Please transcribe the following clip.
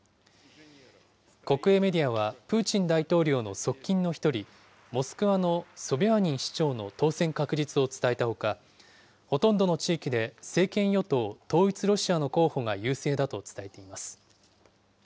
国営メディアは、プーチン大統領の側近の１人、モスクワのソビャーニン市長の当選確実を伝えたほか、ほとんどの地域で政権与党・統一ロシアの候補が優勢だと伝えています。